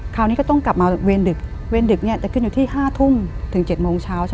คราวนี้ก็ต้องกลับมาเวรดึกคืนอยู่ที่๕ทุ่มถึง๗โมงเช้า